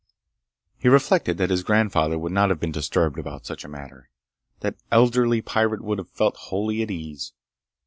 He reflected that his grandfather would not have been disturbed about such a matter. That elderly pirate would have felt wholly at ease.